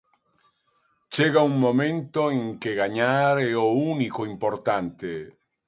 Chega un momento en que gañar é o único importante.